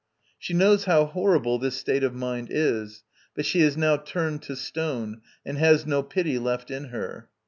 She knows how horrible this state of mind is, but she is now "turned to stone, and has no pity left in her."